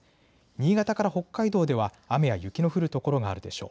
新潟から北海道では雨や雪の降る所があるでしょう。